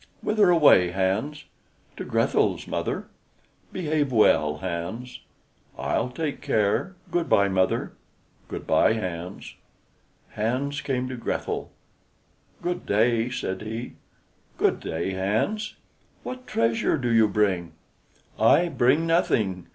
"Whither away, Hans?" "To Grethel's, mother." "Behave well, Hans." "I'll take care; good by, mother." "Good by, Hans." Hans came to Grethel. "Good day," said he. "Good day, Hans. What treasure do you bring?" "I bring nothing.